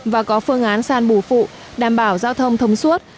và có phương án san bù phụ đảm bảo giao thông thông suốt